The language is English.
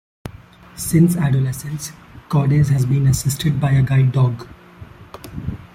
Since adolescence, Cordes has been assisted by a guide dog.